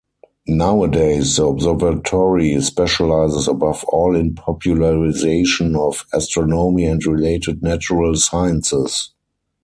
Nowadays the observatory specializes above all in popularization of astronomy and related natural sciences.